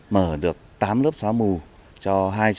mở được tám lớp xóa mù cho hai trăm tám mươi năm